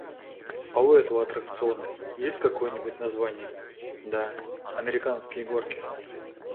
«А у этого аттракциона есть какое-нибудь название?» — «Да, американские горки».